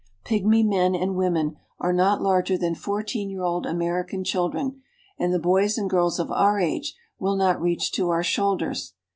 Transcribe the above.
Pygmy men and women are not larger than fourteen year old American children, and the boys and girls of our age will not reach to our shoul ders.